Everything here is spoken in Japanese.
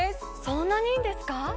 そんなにいいんですか？